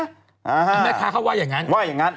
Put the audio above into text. แม่ค้าเค้าว่าอย่างนั้น